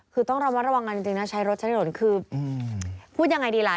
คือต้องระมัดระวังกันจริงนะใช้รถใช้ถนนคือพูดยังไงดีล่ะ